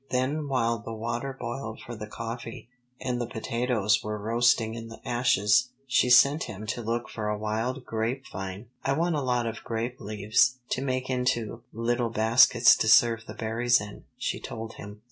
Then while the water boiled for the coffee, and the potatoes were roasting in the ashes, she sent him to look for a wild grape vine. "I want a lot of grape leaves to make into little baskets to serve the berries in," she told him.